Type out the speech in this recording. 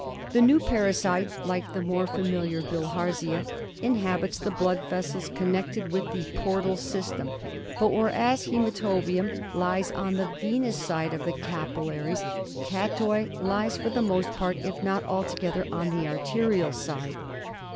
The new parasite, like the more familiar Bilharzia, inhabits the blood vessels connected with the portal system ; but whereas hfematobium lies on the venous side of the capillaries, cattoi lies for the most part, if not altogether, on the arterial side.